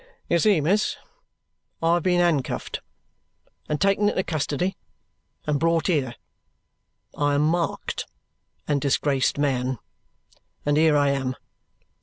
"You see, miss, I have been handcuffed and taken into custody and brought here. I am a marked and disgraced man, and here I am.